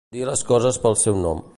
Dir les coses pel seu nom.